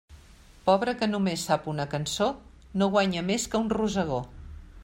Pobre que només sap una cançó no guanya més que un rosegó.